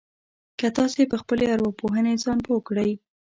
که تاسې په خپلې ارواپوهنې ځان پوه کړئ.